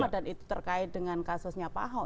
dan itu terkait dengan kasusnya pahaw